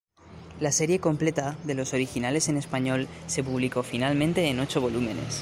La serie completa, de los originales en español, se publicó finalmente en ocho volúmenes.